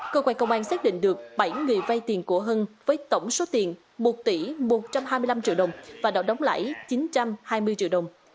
cơ quan công an xác định được bảy người vay tiền của hân với tổng số tiền một tỷ một trăm hai mươi năm triệu đồng và đạo đóng lãi chín trăm hai mươi triệu đồng